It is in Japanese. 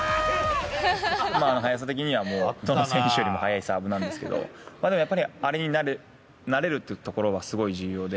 速さ的にはもうどの選手よりも速いサーブなんですけど、やっぱり、あれに慣れるというところはすごい重要で。